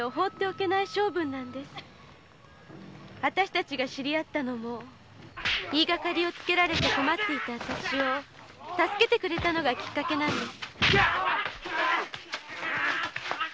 二人が知り合ったのも言いがかりをつけられて困っていた私を助けてくれたのがきっかけなんです。